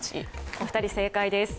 お二人、正解です。